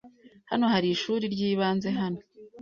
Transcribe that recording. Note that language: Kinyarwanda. Hano hari ishuri ryibanze hano.